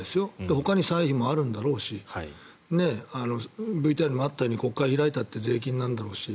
ほかに歳費もあるんだろうしＶＴＲにもあったように国会を開いたって税金なんだろうし。